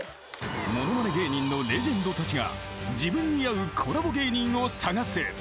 ［ものまね芸人のレジェンドたちが自分に合うコラボ芸人を探す］